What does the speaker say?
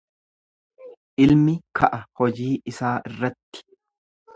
Ilmi ka'a hojii isaa irratti.